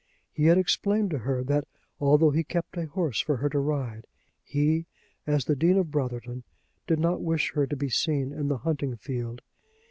He had explained to her that, although he kept a horse for her to ride, he, as the Dean of Brotherton, did not wish her to be seen in the hunting field.